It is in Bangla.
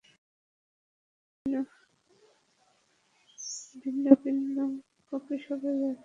আমরা কি ভিন্ন ভিন্ন কফিশপে যাচ্ছি?